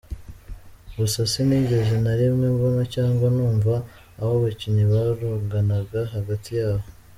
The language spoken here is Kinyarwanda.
Gusa sinigeze na rimwe mbona cyangwa numva aho abakinnyi baroganaga hagati yabo.